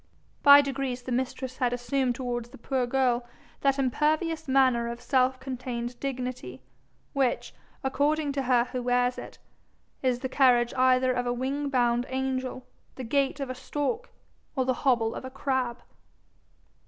By degrees the mistress had assumed towards the poor girl that impervious manner of self contained dignity, which, according to her who wears it, is the carriage either of a wing bound angel, the gait of a stork, or the hobble of a crab.